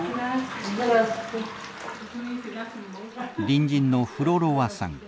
隣人のフロロワさん。